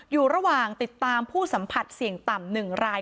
อยู่ระหว่างติดตามผู้สัมผัสเสี่ยงต่ำ๑ราย